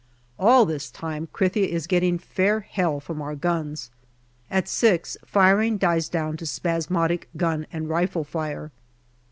All this time Krithia is getting fair hell from our guns. At six, firing dies down to spasmodic gun and rifle fire.